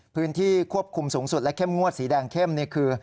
พื้นที่ควบคุมสูงสุดและเข้มงวดสีแดงเข้มคือ